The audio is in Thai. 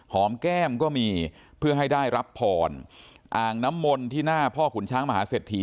แก้มก็มีเพื่อให้ได้รับพรอ่างน้ำมนต์ที่หน้าพ่อขุนช้างมหาเศรษฐี